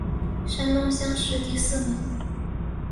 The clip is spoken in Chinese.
山东乡试第四名。